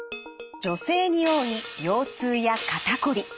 女性に多い腰痛や肩こり。